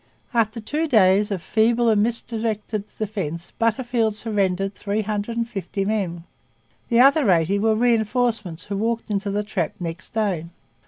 After two days of feeble and misdirected defence Butterfield surrendered three hundred and fifty men. The other eighty were reinforcements who walked into the trap next day.